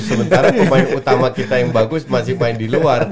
sementara pemain utama kita yang bagus masih main di luar